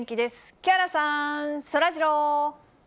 木原さん、そらジロー。